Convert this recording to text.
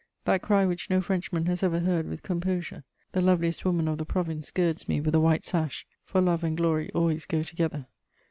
that cry which no Frenchman has ever heard with composure; the loveliest woman of the province girds me with a white sash, for love and glory always go together.